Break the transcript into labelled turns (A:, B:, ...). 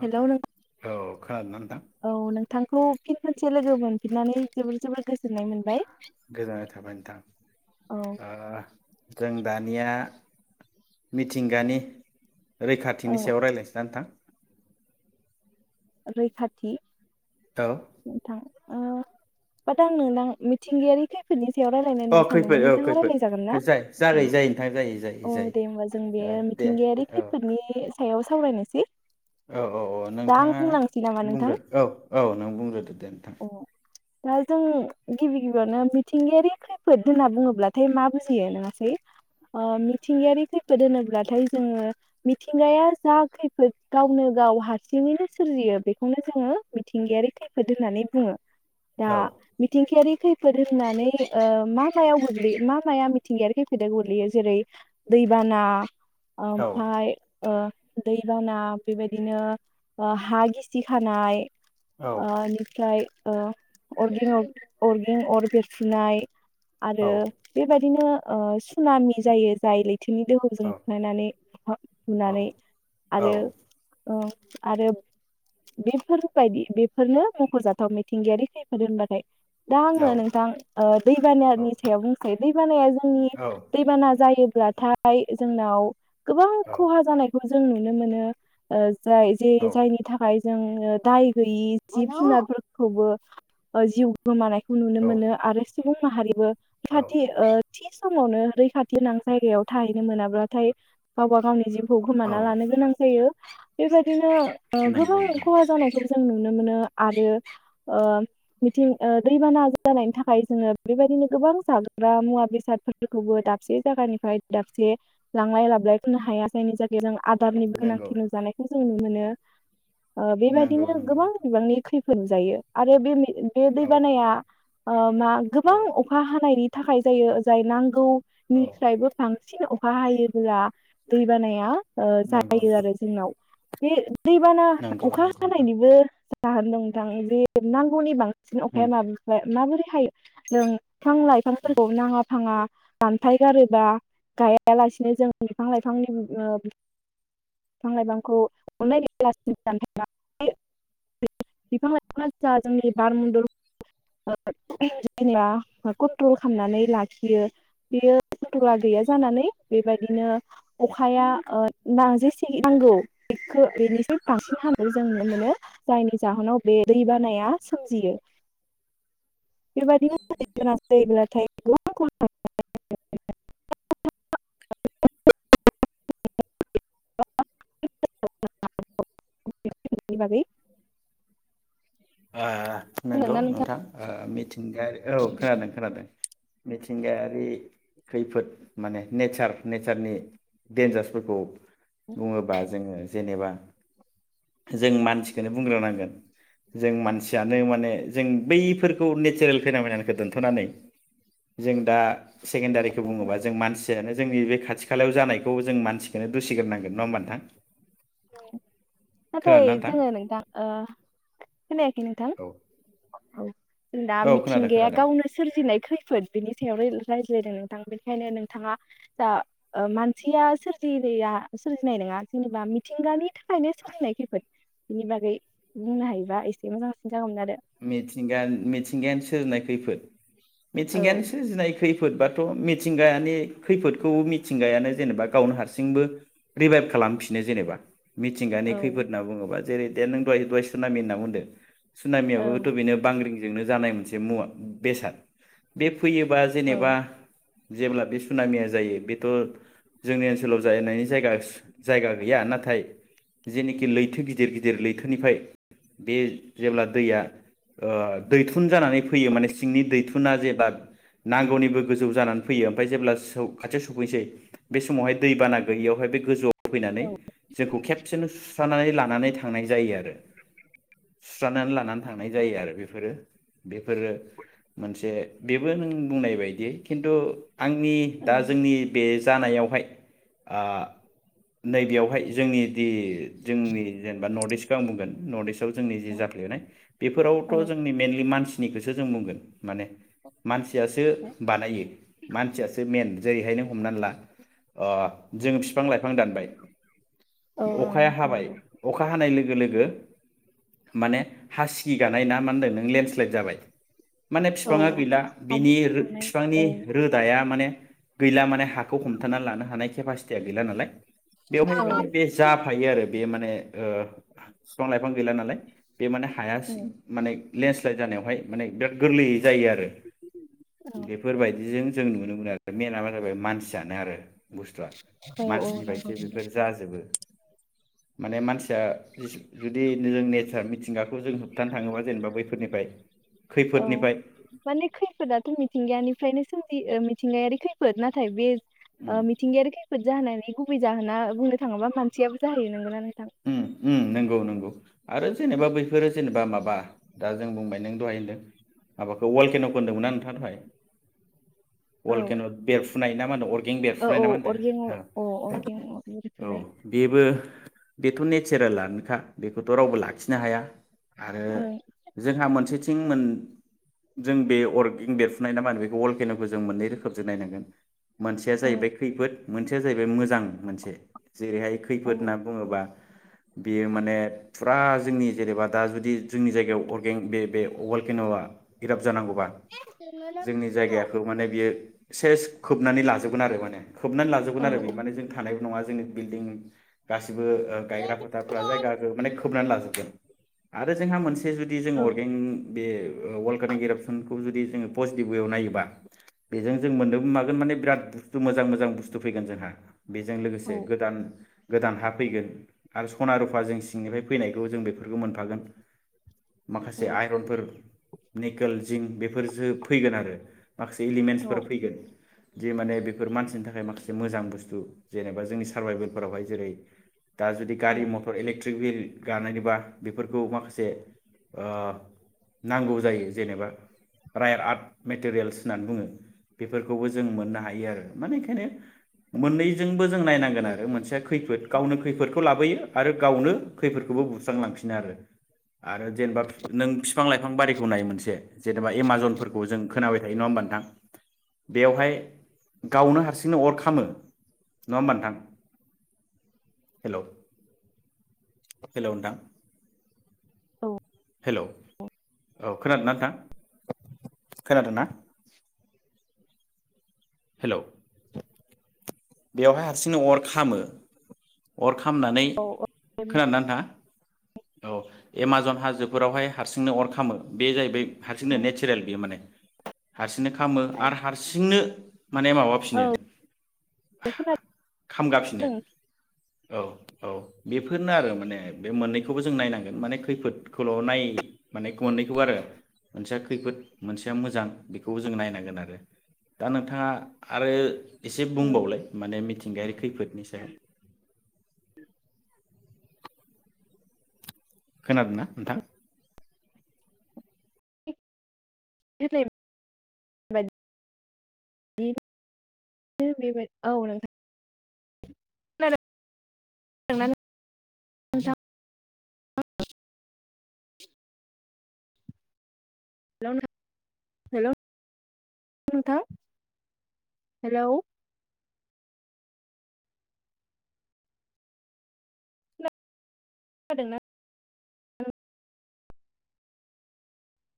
A: औ
B: हेल' नों
A: खोनादोंना नोंथां
B: औ नोंथांखौ फिन खनसे लोगो मोनफिननानै जोबोद जोबोद गोजो
A: गोजोननाय थाबाय नोंथां।
B: औ
A: ओ जों दानिया मिथिंगानि रैखाथिनि
B: औ
A: सायाव रायलायसैना नोंथां?
B: रैखाथि
A: नोंथां
B: नोंथां ओ बाद आंनो नां मिथिंगायारि खैफोदनि सायाव रायलायनो
A: औ
B: होनना
A: अ खैफोद
B: सानदोंमोन
A: औ
B: नोंथाङा
A: खैफोद
B: रायलाय जागोन ना?
A: जाय जागाय जायो नोंथां जायो जायो
B: औ दे
A: जायो
B: होमबा जों बे
A: ओ दे
B: मिथिंगायारि
A: औ
B: खैफोदनि सायाव सावरायनोसै।
A: औ औ औ
B: दा आं
A: नोंथाङा
B: बुंलांसै नामा नोंथां
A: बुंग्रो औ औ नों बुंग्रोदो दे नोंथां।
B: अ दा जों गिबि गिबियावनो मिथिंगायारि खैफोद होनना बुङोब्लाथाय मा बुजियो नङासै ओ मिथिंगायारि खैफोद होनोब्लाथाय जोङो मिथिंगाया जा खैफोद गावनो गाव हारसिङैनो सोरजियो बेखौनो जोङो मिथिंगायारि खै फोद होननानै बुङो। दा
A: औ
B: मिथिंगायारि खैफोद होननानै ओ मा मायाव गोग्लैयो मा माया मिथिंगायारि खैफोदाव गोग्लैयो जेरै दैबाना।
A: औ
B: आमफ्राय ओ दैबाना बेबायदिनो ओ हा गिसि खानाय
A: औ
B: ओ इनिफ्राय ओ अरगें अरगें अर बेरफ्रुनाय। आरो
A: औ
B: बेबायदि बिदिनो ओ सुनामि जायो जाय लैथ लैथोनि दोहौजों बुखारनानै
A: औ
B: बुनानै आरो औ आरो बेफोरबायदि बे बेफोरनो मख'जाथाव मिथिंगायारि खैफोद होनबाथाय दा आङो नोंथां दैबानानि सायाव बुंसै दै बानाया जों नि दैबाना जायो ब्लाथाय जोंनाव गोबां खहा जानायखौ जों नुनो मोनो ओ जाय जे जायनि
A: औ
B: थाखाय जों दाय गैयि जिब जुनारफोरखौबो जिउ गोमानाय खौ नुनो मोनो आरो सुबुं माहारिबो
A: औ औ
B: खाथि ओ थिस समावनो रैखाथि गोनां जायगायाव थाहैनो मोनाब्लाथाय गावबा गावनि जिउ खौ गोमाना लानो गोनां जायो बेबायदिनो ओ
A: नंगौ
B: गोबां
A: नोंथां
B: खहा जानायखौ जों नों नुनो मोनो आरो ओ मिथिं ओ दैबाना जानायनि थाखाय जोङो बेबायदिनो गोबां जाग्रा मुवा बेसादफोरखौबो दाबसे जायगानिफ्राय दाबसे लांलाय लाबोलाय खालामनो हाया जायनि जाय जों आदारनि
A: नंगौ
B: गोनांथि नुजानायखौ जों नुनो मोनो ओ
A: नंगौ
B: बेबायदिनो
A: नंगौ
B: गोबां
A: नोंथां
B: बिबांनि खै मोनजायो आरो बे मे बे दै
A: औ
B: बानाया अ ना
A: औ
B: गोबां अखा हानायनि थाखाय जायो जाय नां गौ
A: औ
B: निफ्रायबो थां बांसिन अखा हायोब्ला दै बानाया ओ
A: नंगौ
B: जायो आरो जोंनाव बे दैबाना
A: नंगौ
B: अखा
A: नंगौ
B: हानाय।
A: नोंथां
B: जा होनदों नोंथां जे नांगौनि बां
A: उम
B: अखाया माबोफाय माबोरै हायो नों बिफां
A: उम
B: लाइफांफोरखौ नाङा फाङा दानफाय गारोबा गायालासिनो जों बिफां लाइफांनि ओ बिफां लाइफांखौ अननाय गैयालासिनो दानफायब्ला ओइ बिफां लाइफांआ जा जोंनि बारमन्दल जेनेबा कन्ट्रल खालामनानै लाखियो बेयो खन्ट्रला गैया जानानै बेबायदिनो अखाया ओ नो जेसे नांगौ बेखौ बेनिसो बांसिन हानाय जों नुनो मोनो जायनि जाहोनाव बे दै बानाया सोमजियो। बेबायदि थ [inaudible] [unintelligible] [unintelligible] [unintelligible]
A: आ नोंगौ नोंथां। औ खोनादों खोनादों। मिथिंगायारि खैफोद माने नेचार नेचारनि डेनजारफोरखौ बुङोबा जोङो जेनेबा जों मानसिखौनो बुंग्रोनांगोन। जों मानसियानो माने जों बैफोरखौ नेचारेल फेनाामायनानानैखौ दोन्थ'नानै जों दा सेकेण्डारिखौ बुङोबा जों मानसि जोंनि बे खाथि खालायाव जानायखौ जों मानसिखखौनो दुसिग्रोनांगोन नङा होमबा नोंथां?
B: नाथाय जोङो नोंथां ओ खोनायाखै नोंथां।
A: औ
B: दा
A: औ खोनादों
B: मिथिंगाया
A: खोनादों
B: गावनो सोरजिनायखै। खैफोद बिनि सायाव रायज्लायदों नोंथां बेनिखायनो नोंथाङा जा मानसिया सोरजनाय सोरजिनाय नङा जेनेबा मिथिंगानि थाखायनो सोलिनाय खैफोद बिनि बागै बुंनो हायोबा एसे मोजांसिन। जागौमोन आरो
A: मिथिंगानि मिथिंगायानो सोरनाय खैफोद।
B: औ
A: मिथिंगायानो सोरजिनाय खैफोद खैफोद बाथ' मिथिंगायानि खैफोदखौ मिथिंगायानो जेनेबा गावनो हारसिंबो रिभाइभ खालामफिनो जेनेबा। मिथिंगानि
B: औ
A: खैफोद होनना बुङोबा जेरै नों दहाय दहा सुनामि होनना बुंदों सुनामि
B: औ
A: बेनो बांग्रिं। जोंनो जानाय मोनसे मुवा बेसाद बे फैयोबा जेनेबा जेब्ला बे सुनामिया जायो बेथ' जोंनि ओनसोलाव जाहैनायनि जायगा जायगा गैया नाथाय जेनोखि लैथो गिदिर गिदिर लैथोनिफ्राय बे जेब्ला दैया ओ दैथुन जानानै फैयो माने सिंनि दैथुना जेब्ला नांगौनिबो गोजौ जानानै फैयो ओमफ्राय जेब्ला खाथियाव सौफैनोसै बे समावहाय दैबाना गैयियावहाय बे गोजौआव फैनानै जोंखौ खेबसेनो सुस्रानानै लानानै थांनाय जायो आरो सुस्रानानै लानानै थानाय जायो आरो बेफोरो बेफोरो मोनसे बेबो नों बुंनाय बायदि खिन्थु आंनि दा जोंनि बे जानायावहाय आ नैबेयावहाय जोंनि जि जोंनि जेनेबा नर्थ इस्ट आं बुंगोन नर्ट इस्ट आव जोंनि जि
B: औ
A: जाफ्लेनाय बेफोरावथ'
B: औ
A: जोंनि मेनलि मानसिनिखोसो जों बुंगोन। माने मानसियासो बानायो मानसियासो मेन जेरैहाय नोम हमनानै ला अ जों फिफ बिफां लाइफां दानबाय
B: औ
A: अखाया
B: नोंथां
A: हाबाय
B: नंगौ
A: अखा हानाय लोगो गो लोगो माने हासि इ गानाय ना मा होनदों नों लेन्डस्लइद जाबाय। माने
B: औ
A: बिफाङा गैला
B: हा
A: बिनि रो
B: गिसिखांनाय
A: बिफांनि
B: औ
A: रोदाया माने गैला माने हाखौ हमथाना लानो हानाय केपासित तिया गैला नालाय। बेवहाय
B: औ औ
A: माने बे जाफायो आरो बे माने माने ओ फिफां लाइफां गैला नालाय बे माने हाया
B: औ
A: माने लेन्डस्लाइद जानायावहाय माने बिराद गोरलैयै जायो आरो बेफोरबायदिजों जों नुनो मोनो आरो मेना मा जाबाय मानसि जाना आरो बुस्थुआ
B: औ नंगौ
A: मानसिनिफ्रायसो
B: नंगौ
A: बेफोरबादि जाजोबो माने मानसिया जिसु जु दि नोजों नेचार मिथिंगाखौ जों होब थाङोबा जेनेबा बैफोरनिफ्राय
B: औ
A: खैफोदनिफ्राय
B: माने खैफोदाथ' मिथिंगानिफ्रायनो सोम जियो ओ मिथिंगायारि खैफोद नाथाय बे
A: उम
B: ओ मिथिंगायारि खैफोद जाहोनायनि गुबै जाहोना बुंनो थाङोबा मानसियाबो जाहैयो नोंगोना नों
A: उम उम नंगौ नंगौ आरो जेनेबा बैफोरो जेनेबा माबा दा जों बुंबाय नों दहाय होनदों माबाखौ खेन'खो होन्दोंमोना नोंथांङा दहाय
B: औ
A: वल केेन' बेब फुनाय ना मा होन आर गें
B: औ
A: बेरफ्रुनाय
B: औ
A: नामा होनदो
B: अरगें अर
A: ओ
B: अ अरगें अर
A: औ
B: बेरफ्रुनाय
A: बेबो बेथ' नेचारेलानोखा बेखौथ' रावबो लाखिनो हाया आरो
B: ओं
A: जोंहा मोनसेथि थिं मोन जों बे अरगें बेरफुनाय ना मा होनो बेखौ वलकेन'खौ जों मोननै रोखोमजों नायनांगोन मोनसेया
B: औ
A: जाहैबाय खैफोद मोनसेया जाहैबाय मोजां मोनसे जेरैहाय
B: औ
A: खैफोद होनना बुङोबा बेयो माने फुरा जोंनि जेनेबा दा जुदि जोंनि जायगायाव अरगें बे बे वलकेन'आ [unintelligible] जानांगौबा जोंनि जायगाखौ माने बियो सेस खोबनानै लाजोबगोन आरो माने खोबनानै लाजोबगोन
B: औ
A: आरो बे माने जों थानाय नङा जोंनि बिल्डिं गासिबो गायग्रा फोथारफ्रा जायगाखौ माने खोबनानै लाजोब गोन आरो जोंहा मोन से जुदि जों
B: औ
A: अरगें बे वलकाने गेरापसनखौ जुदि जोङो पजिटिभ वेयाव नायोबा बेजों जों मोनदों मागोन माने बिराद बुस्थु मोजां मोजां बुस्थु फैगोन जोंहा बेजों
B: औ
A: लोगोसे गोदान गोदान हा फैगोन आरो सना रुफा जों सिंनिफ्राय फैनायखौ जों बेफोरखौ मोनफागोन माखासे आइरनफोर निकेल जिं बेफोर जो फैगोन आरो माखासे एलिमेन्टसफोर
B: औ
A: फैगोन जे माने बेफोर मानसिनि थाखाय माखासे मोजां बुस्थु जेनेबा जोंनि सारभाइभेलफोरावहाय जेरै दा
B: औ
A: गारि मटर इलेकट्रि टिक बिरि गानायनोबा बेफोरखौ माखासे ओ नांगौ जायो जेनेबा रायार आर्ट मेटेरियेल्स होननानै बुङो बेफोरखौबो जों मोननो हायो आरो माने बेखायनो मोननैजोंबो जों नायनांगोन आरो मोनसेया खैफोद गावनो खैफोद खौ लाबोयो आरो गावनो खैफोरखौबो बुस्रांलांफिनो आरो आरो जेनेबा फि नों फिफां लाइफां फोरखौ नायो मोनसे जेनेबा एमाजनफोरखौ जों खोनाबाय थायो नङा होमबा नोंथां बेवहाय गावनो हारसिंनो अर खामो नङा होमबा नोंथां हेल' हेल' नोंथां
B: औ
A: हेल' औ खोनादोंना नोंथां खोनादों ना हेल' बेवहाय हारसिंनो अर खामो अर- खामनानै
B: औ
A: खोनादोंना नोंथाङा। औ एमाजन हाजोफोरावहाय हारसिंनो अर खामो बे जाहैबाय हारसिंनो नेसारेल बेयो माने हारसिंनो खामो
B: ओमफ्राय
A: आरो हारसिंनो माने माबाफिनो
B: औ
A: खामगाफिनो औ औ बेफोरनो आरो माने बे मोननै बेखौबो जों नायनांगोन माने खैफोदखौल' नाय माने मोननैखौ आरो मोनसेया खैफोद मोनसेया मोजां बेखौबो जों नायनांगोन आरो दा नोंथाङा आरो एसे
B: औ
A: बुंबावलाय माने मिथिंगायारि खैफोदनि सायाव खोनादोंना नोंथां
B: औ नोंथां खोनादों। हेल' हेल' नोंथां खादोंना